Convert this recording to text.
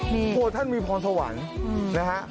พี่ก็มีพรสวรรค์นะครับ